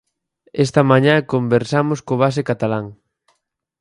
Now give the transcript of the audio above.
Esta mañá conversamos co base catalán.